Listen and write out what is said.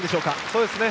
そうですね。